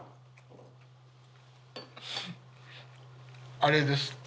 あれです。